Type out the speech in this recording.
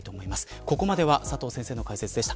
ここまでは佐藤先生の解説でした。